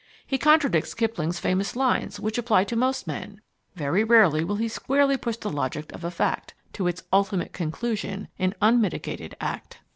He contradicts Kipling's famous lines, which apply to most men Very rarely will he squarely push the logic of a fact To its ultimate conclusion in unmitigated act.